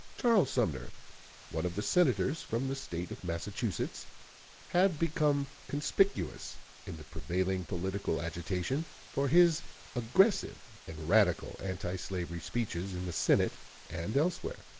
Charles Sumner, one of the Senators from the State of Massachusetts, had become conspicuous, in the prevailing political agitation, for his aggressive and radical anti slavery speeches in the Senate and elsewhere.